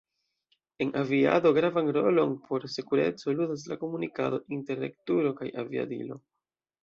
En aviado gravan rolon por sekureco ludas la komunikado inter regturo kaj aviadilo.